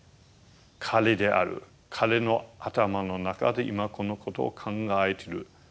彼の頭の中で今このことを考えてる。